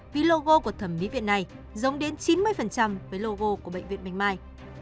vì logo của thẩm mỹ viện này giống đến chín mươi với logo của bệnh viện bạch mai